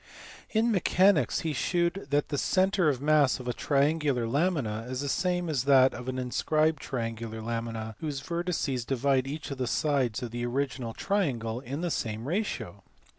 In mechanics, he shewed that the centre of mass of a triangular lamina is the same as that of an inscribed triangular lamina whose vertices divide each of the sides of the original o triangle in the same ratio.